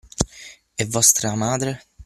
E vostra madre?